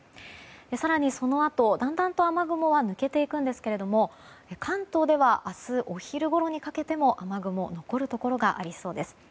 更にそのあと、だんだんと雨雲は抜けていくんですけれども関東では明日お昼ごろにかけても雨雲、残るところがありそうです。